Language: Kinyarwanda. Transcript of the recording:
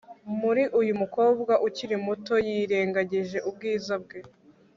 muri uyu mukobwa ukiri muto yirengagije ubwiza bwe